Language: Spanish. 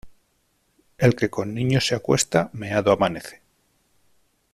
El que con niños se acuesta, meado amanece.